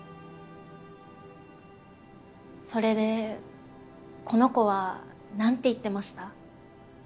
それでこの子は何て言ってました？